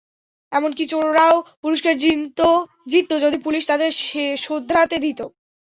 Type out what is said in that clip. এমনকি চোররাও পুরস্কার জিততো যদি পুলিশ তাদের শোধরাতে দিতো।